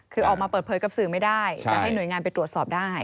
คือออกมาเปิดเผยกับสื่อไม่ได้แต่ให้หน่วยงานไปตรวจสอบได้